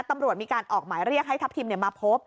ตำรวจมีการออกหมายเรียกให้ทัพทิมมาพบ